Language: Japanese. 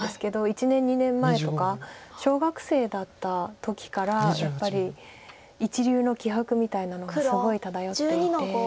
１年２年前とか小学生だった時からやっぱり一流の気迫みたいなのがすごい漂っていて。